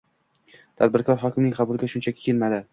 Tadbirkor hokimning qabuliga shunchaki kelmaydi